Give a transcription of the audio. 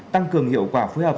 tăng cường hiệu quả phối hợp